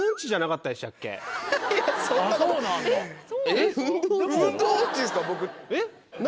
えっ？